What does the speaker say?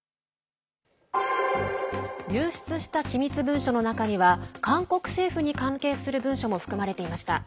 流出した機密文書の中には韓国政府に関係する文書も含まれていました。